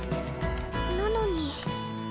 なのに